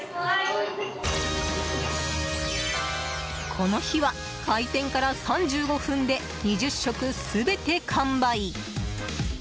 この日は開店から３５分で２０食全て完売！